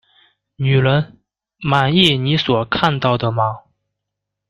女人，满意你所看到的吗？